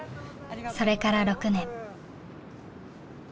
それから６年。